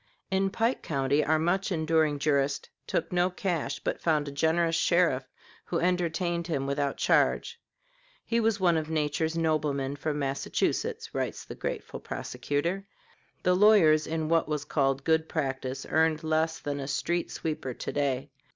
In Pike County our much enduring jurist took no cash, but found a generous sheriff who entertained him without charge. "He was one of nature's noblemen, from Massachusetts," writes the grateful prosecutor. The lawyers in what was called good practice earned less than a street sweeper to day.